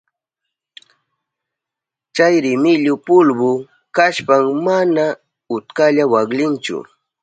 Chay rimillu pulbu kashpan mana utkalla waklinchu.